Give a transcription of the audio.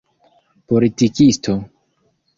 politikisto